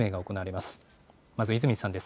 まず泉さんです。